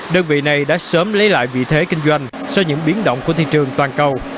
đơn vị này đã sớm lấy lại vị thế kinh doanh sau những biến động của thị trường toàn cầu